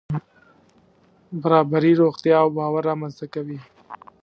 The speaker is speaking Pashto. برابري روغتیا او باور رامنځته کوي.